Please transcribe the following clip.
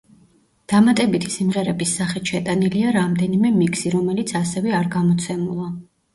დამატებითი სიმღერების სახით შეტანილია რამდენიმე მიქსი, რომელიც ასევე არ გამოცემულა.